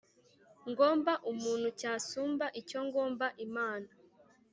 ngomba umuntu cyasumba icyo ngomba imana.